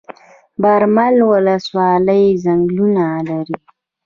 برمل ولسوالۍ ځنګلونه لري؟